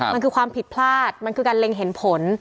มันคือความผิดพลาดมันคือการเล็งเห็นผล